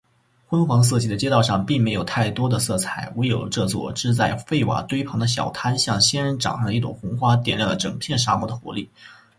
昏黄色系的街道上，并没有太多的色彩，唯有这座支在废瓦堆旁的小摊，像仙人掌上的一朵红花，点亮了整片沙漠的活力。